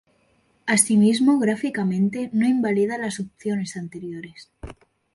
Asimismo, gráficamente no invalida las opciones anteriores".